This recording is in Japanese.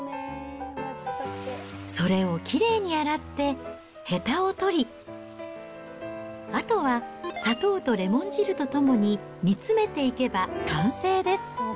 それをきれいに洗って、へたを取り、あとは砂糖とレモン汁とともに煮詰めていけば完成です。